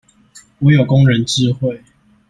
我有工人智慧